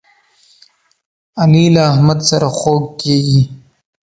علي له احمد سره خوږ کېږي.